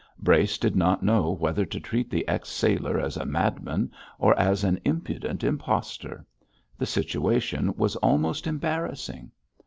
Brace did not know whether to treat the ex sailor as a madman or as an impudent impostor. The situation was almost embarrassing.